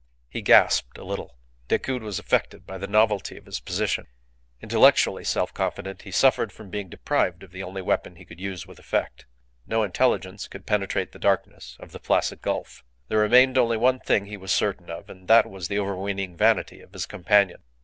He gasped a little. Decoud was affected by the novelty of his position. Intellectually self confident, he suffered from being deprived of the only weapon he could use with effect. No intelligence could penetrate the darkness of the Placid Gulf. There remained only one thing he was certain of, and that was the overweening vanity of his companion.